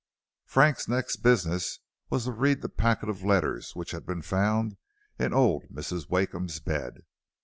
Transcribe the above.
Frank's next business was to read the packet of letters which had been found in old Mrs. Wakeham's bed.